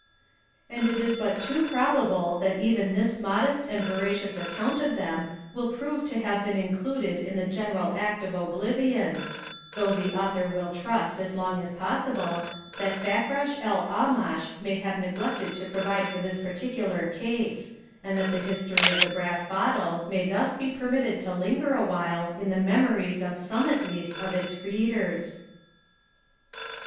And it is but too probable that even this modest and veracious account of them will prove to have been included in the general act of oblivion though the author will trust as long as possible that Fakrash el Aamash may have neglected to provide for this particular case, and that the history of the Brass Bottle may thus be permitted to linger awhile in the memories of some at least of its readers.